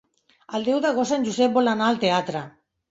El deu d'agost en Josep vol anar al teatre.